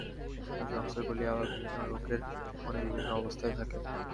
ঐ সংস্কারগুলি আবার বিভিন্ন লোকের মনে বিভিন্ন অবস্থায় থাকে।